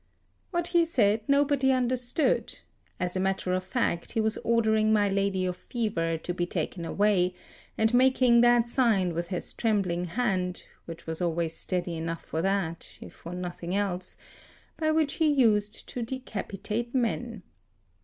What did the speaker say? What he said nobody understood; as a matter of fact, he was ordering my lady of Fever to be taken away, and making that sign with his trembling hand (which was always steady enough for that, if for nothing else) by which he used to decapitate men.